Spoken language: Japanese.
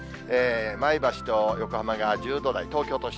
前橋と横浜が１０度台、東京都心